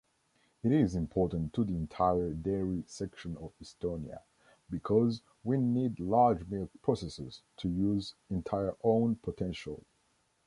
It is important to the entire dairy section of Estonia, because we need large milk processors, to use entire own potential.